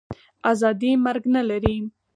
آزادي مرګ نه لري.